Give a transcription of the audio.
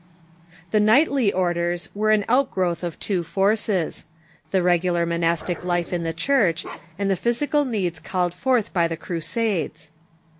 The knightly orders were an outgrowth of two forces — the regular monastic life in the Church, and the physical needs ,.. called forth by the Crusades.